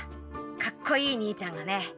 かっこいい兄ちゃんがね。